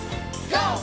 ＧＯ！